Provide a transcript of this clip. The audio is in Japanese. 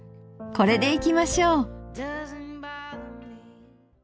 これでいきましょう。